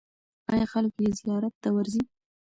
آیا خلک یې زیارت ته ورځي؟